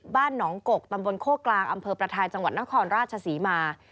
บ้านหนองกกตำบลโคกลางอำเภอประทายจังหวัดนครราชศรีมา